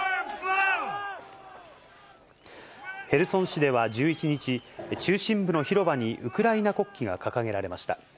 市では１１日、中心部の広場にウクライナ国旗が掲げられました。